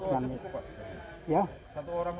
tidak perlu banyak orang